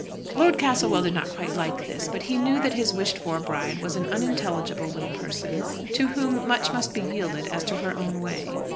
Lord Castlewell did not quite like this; but he knew that his wished for bride was an unintelligible little person, to whom much must be yielded as to her own way.